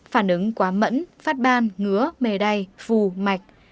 phản ứng quá mẫn phát ban ngứa mề đay phù mạch